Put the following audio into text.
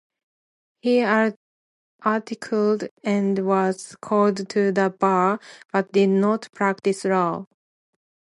He articled and was called to the Bar, but did not practice law.